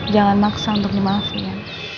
jangan maksa untuk dimaafin ya